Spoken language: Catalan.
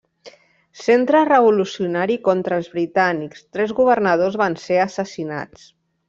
Centre revolucionari contra els britànics, tres governadors van ser assassinats.